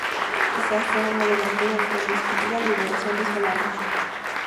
Quizás sea un adelanto de la tan discutida liberación de Solaris.